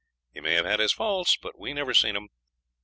He may have had his faults, but we never seen 'em.